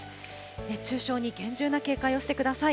熱中症に厳重な警戒をしてください。